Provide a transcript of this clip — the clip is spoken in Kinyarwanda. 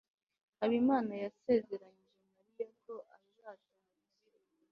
habimana yasezeranyije mariya ko azataha kare uyu munsi